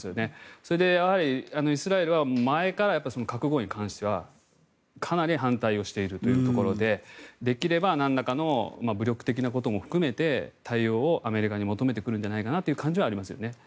それでやはりイスラエルは前から核合意に関してはかなり反対しているというところでできればなんらかの武力的なことも含めて対応をアメリカに求めてくるんじゃないかなという感じはありますよね。